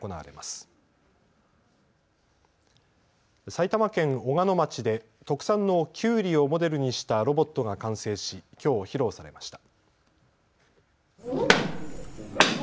埼玉県小鹿野町で特産のきゅうりをモデルにしたロボットが完成し、きょう披露されました。